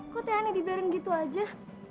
kok tiana dibiarin gitu aja